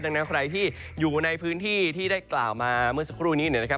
ดังนั้นใครที่อยู่ในพื้นที่ที่ได้กล่าวมาเมื่อสักครู่นี้นะครับ